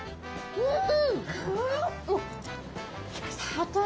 うん。